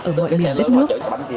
ở mọi miền đất nước